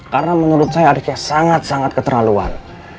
karena menurut saya adiknya sangat sangat keterlaluan